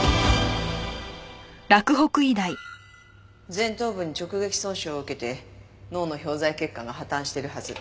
前頭部に直撃損傷を受けて脳の表在血管が破綻してるはず。